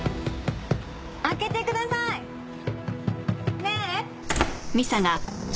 開けてください！ねえ！